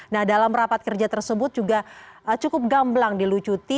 nah dalam rapat kerja tersebut juga cukup gamblang dilucuti